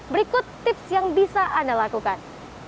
berikut tips yang bisa anda lakukan